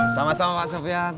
sama sama pak sofyan